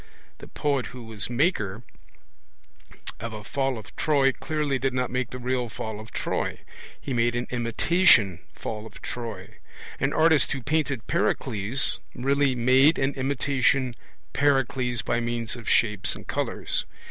The poet who was 'maker' of a Fall of Troy clearly did not make the real Fall of Troy. He made an imitation Fall of Troy. An artist who 'painted Pericles' really 'made an imitation Pericles by means of shapes and colours'.